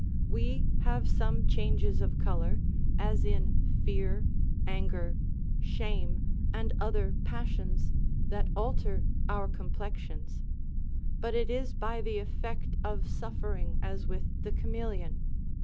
We have some changes of colour, as in fear, anger, shame, and other passions, that alter our complexions; but it is by the effect of suffering, as with the caméléon.